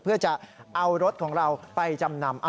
เพื่อจะเอารถของเราไปจำนำ